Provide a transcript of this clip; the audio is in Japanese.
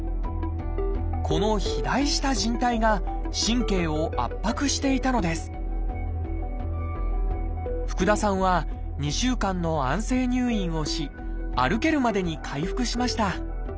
この肥大したじん帯が神経を圧迫していたのです福田さんは２週間の安静入院をし歩けるまでに回復しました。